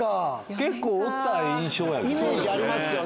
結構おった印象やね。